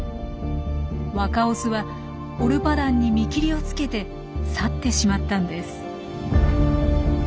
若オスはオルパダンに見切りをつけて去ってしまったんです。